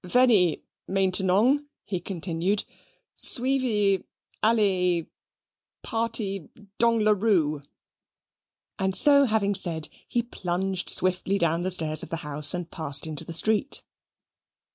"Venny maintenong," he continued, "sweevy ally party dong la roo." And so having said, he plunged swiftly down the stairs of the house, and passed into the street.